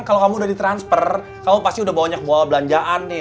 kalau kamu udah ditransfer kamu pasti udah bau nyak bau belanjaan nih